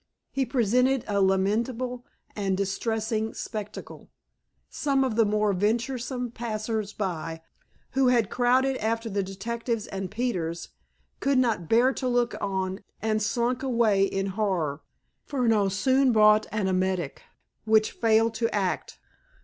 He presented a lamentable and distressing spectacle. Some of the more venturesome passers by, who had crowded after the detectives and Peters, could not bear to look on, and slunk away in horror. Furneaux soon brought an emetic, which failed to act.